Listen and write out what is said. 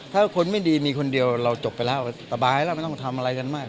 ถ้าคนไม่ดีมีคนเดียวเราจบไปแล้วสบายแล้วไม่ต้องทำอะไรกันมาก